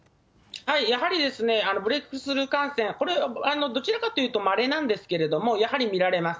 やはりブレークスルー感染、これ、どちらかというとまれなんですけれども、やはり見られます。